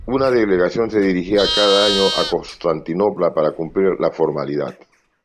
Una delegación se dirigía cada año a Constantinopla para cumplir la formalidad.